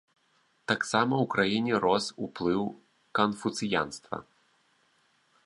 Таксама ў краіне рос уплыў канфуцыянства.